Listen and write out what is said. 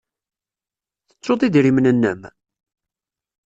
Tettud idrimen-nnem?